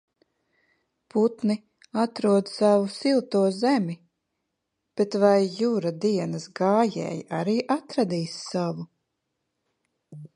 Putni atrod savu silto zemi, bet vai Jura dienas gājēji arī atradīs savu?